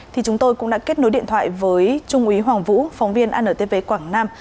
thì chúng tôi cũng đã kết nối điện thoại với trung úy hoàng vũ phóng viên antv quảng nam